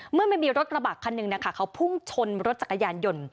เมื่อมันมีรถกระบะคันหนึ่งนะคะเขาพุ่งชนรถจักรยานยนต์